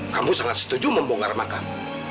kamu sangat setuju membongkar makam